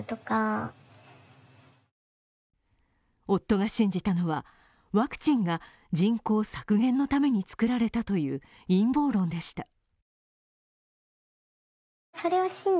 夫が信じたのは、ワクチンが人口削減のために作られたという陰謀論でした。